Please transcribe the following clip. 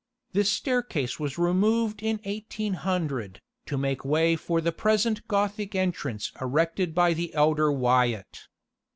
This staircase was removed in 1800, to make way for the present Gothic entrance erected by the elder Wyatt.